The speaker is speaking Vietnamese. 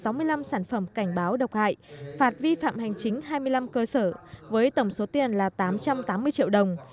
tổng cục đã phát hiện sản phẩm cảnh báo độc hại phạt vi phạm hành chính hai mươi năm cơ sở với tổng số tiền là tám trăm tám mươi triệu đồng